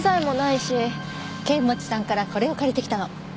剣持さんからこれを借りてきたの。